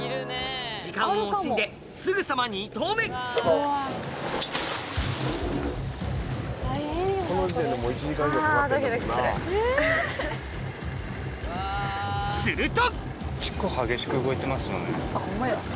時間を惜しんですぐさますると！